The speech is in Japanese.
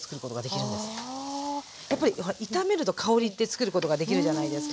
やっぱりほら炒めると香りってつくることができるじゃないですか。